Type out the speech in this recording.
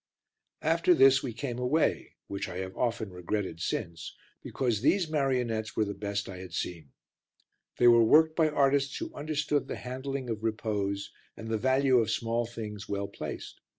After this we came away, which I have often regretted since, because these marionettes were the best I had seen. They were worked by artists who understood the handling of repose and the value of small things well placed.